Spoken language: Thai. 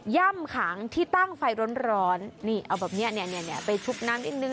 ่ำขังที่ตั้งไฟร้อนนี่เอาแบบนี้เนี่ยไปชุบน้ำนิดนึง